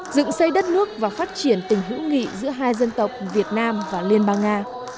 dựng xây đất nước và phát triển tình hữu nghị giữa hai dân tộc việt nam và liên bang nga